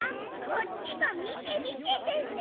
こっちもみてみて先生。